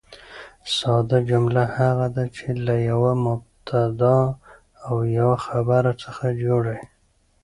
ساده جمله هغه ده، چي له یوه مبتداء او یوه خبر څخه جوړه يي.